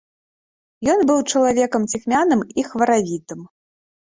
Ён быў чалавекам ціхмяным і хваравітым.